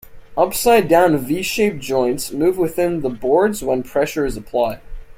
Upside-down V-shaped joints move within the boards when pressure is applied.